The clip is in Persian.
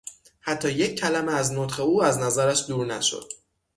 حتی یک کلمه از نطق او از نظرش دور نشد.